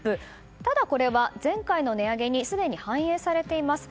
ただこれは前回の値上げにすでに反映されています。